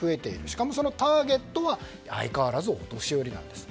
しかもそのターゲットは相変わらずお年寄りなんです。